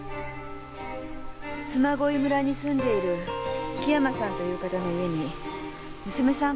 嬬恋村に住んでいる木山さんという方の家に娘さん